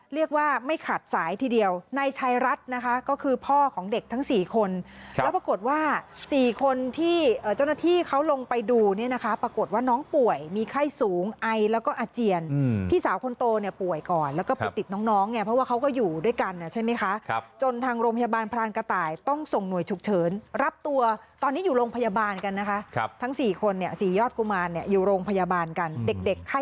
สี่คนที่เจ้าหน้าที่เขาลงไปดูเนี่ยนะคะปรากฏว่าน้องป่วยมีไข้สูงไอแล้วก็อาเจียนพี่สาวคนโตเนี่ยป่วยก่อนแล้วก็ปิดติดน้องไงเพราะว่าเขาก็อยู่ด้วยกันใช่ไหมคะจนทางโรงพยาบาลพรานกระต่ายต้องส่งหน่วยฉุกเฉินรับตัวตอนนี้อยู่โรงพยาบาลกันนะคะทั้งสี่คนเนี่ยสี่ยอดกุมารเนี่ยอยู่โรงพยาบาลกันเด็กไ